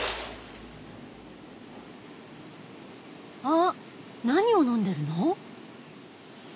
あ何を飲んでるの？